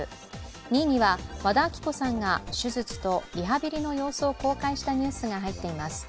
２位には和田アキ子さんが手術とリハビリの様子を公開したニュースが入っています。